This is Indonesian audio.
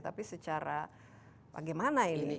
tapi secara bagaimana ini